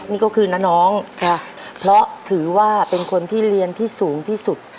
นี่ก็คือน้าน้องเพราะถือว่าเป็นคนที่เรียนที่สูงที่สุด